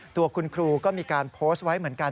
ตัวคุณครูก็มีการโพสต์ไว้เหมือนกัน